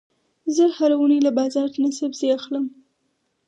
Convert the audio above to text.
زه هره اونۍ له بازار نه سبزي اخلم.